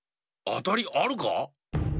あたりあるか？